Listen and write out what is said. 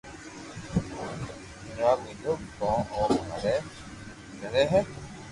جواب ديدو ڪو او مري گيو ھي